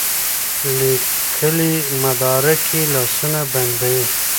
لیکلي مدارک یې لاسونه بندوي.